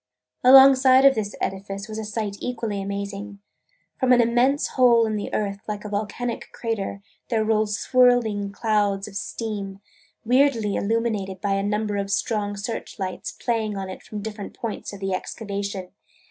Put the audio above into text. Alongside of this edifice was a sight equally amazing. From an immense hole in the earth like a volcanic crater, there rose swirling clouds of steam, weirdly illuminated by a number of strong search lights playing on it from different points of the excavation.